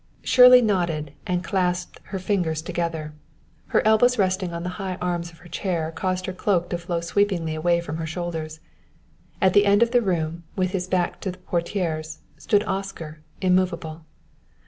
Shirley nodded and clasped her fingers together. Her elbows resting on the high arms of her chair caused her cloak to flow sweepingly away from her shoulders. At the end of the room, with his back to the portieres, stood Oscar, immovable.